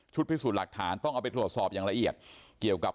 พิสูจน์หลักฐานต้องเอาไปตรวจสอบอย่างละเอียดเกี่ยวกับ